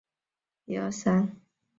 卒于洪武九年。